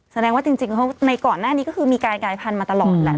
แสดงว่าจริงในก่อนหน้านี้ก็คือมีการกายพันธุ์มาตลอดแหละ